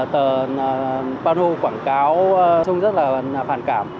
tờ ban hô quảng cáo chúng rất là phản cảm